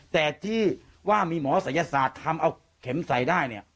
แต่ที่ว่ามีหมอศัยศาสตร์ทำเอาเข็มใส่ได้เนี่ย